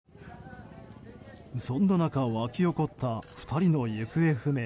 そんな中、沸き起こった２人の行方不明。